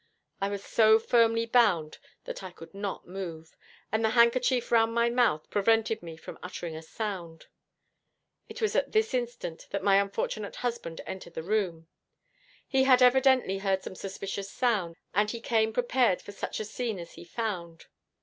I was so firmly bound that I could not move, and a handkerchief round my mouth prevented me from uttering a sound. It was at this instant that my unfortunate husband entered the room. He had evidently heard some suspicious sounds, and he came prepared for such a scene as he found.